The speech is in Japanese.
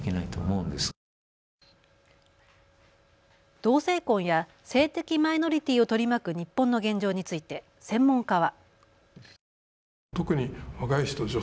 同性婚や性的マイノリティーを取り巻く日本の現状について専門家は。